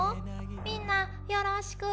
みんなよろしく。